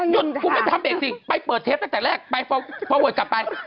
หนุ่มกูไม่ทำอีกสิไปเปิดเทปตั้งแต่แรกไปพอเวิร์ดกลับไป